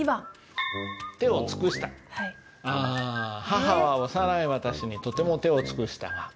「母は幼い私にとても手を尽くしたが」。